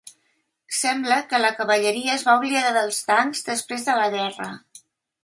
Sembla que la cavalleria es va oblidar dels tancs després de la guerra.